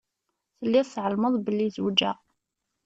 Telliḍ tεelmeḍ belli zewǧeɣ.